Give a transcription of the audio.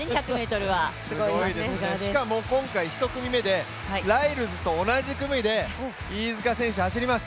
しかも今回１組目でライルズと同じ組で飯塚選手走ります。